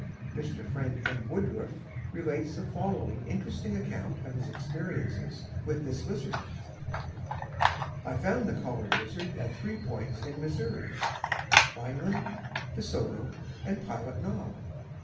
Mr. Frank M. Woodruff relates the following interesting account of his experiences with this lizard: "I found the Collared Lizard at three points in Missouri—Vineland, DeSoto and Pilot Knob.